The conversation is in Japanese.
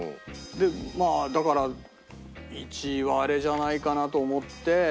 まあだから１位はあれじゃないかなと思って。